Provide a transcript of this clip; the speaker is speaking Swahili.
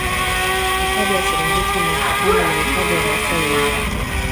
hifadhi ya serengeti inapakana na hifadhi ya masai mara